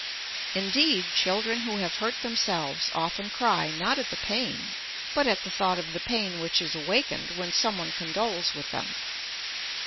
Indeed, children who have hurt themselves often cry, not at the pain, but at the thought of the pain which is awakened when some one condoles with them.